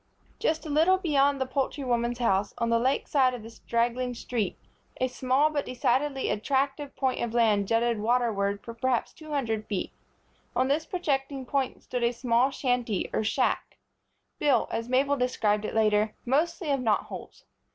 Just a little beyond the poultry woman's house, on the lake side of the straggling street, a small, but decidedly attractive point of land jutted waterward for perhaps two hundred feet. On this projecting point stood a small shanty or shack, built, as Mabel described it later, mostly of knot holes.